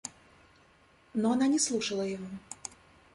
Но она не слушала его.